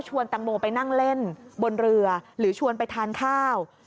ตังโมไปนั่งเล่นบนเรือหรือชวนไปทานข้าว